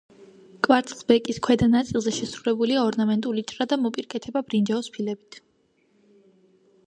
კვარცხლბეკის ქვედა ნაწილზე შესრულებულია ორნამენტული ჭრა და მოპირკეთება ბრინჯაოს ფილებით.